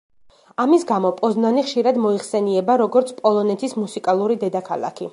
ამის გამო პოზნანი ხშირად მოიხსენიება, როგორც „პოლონეთის მუსიკალური დედაქალაქი“.